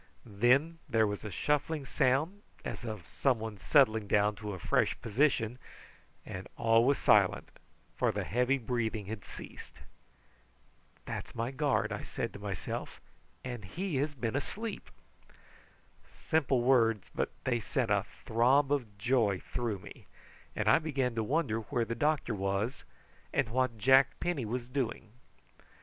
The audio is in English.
Then there was a shuffling sound, as of some one settling down in a fresh position, and all was silent, for the heavy breathing had ceased. "That's my guard," I said to myself, "and he has been, asleep!" Simple words, but they sent a throb of joy through me, and I began to wonder where the doctor was, and what Jack Penny was doing.